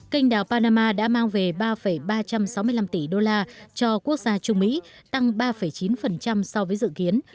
kênh đảo panama đã mang về ba ba trăm sáu mươi năm tỷ đô la cho quốc gia trung mỹ tăng ba chín so với dự kiến